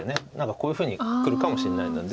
こういうふうにくるかもしれないので。